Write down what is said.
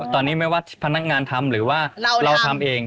ตอนนี้ไม่ว่าพนักงานทำหรือว่าเราทำเอง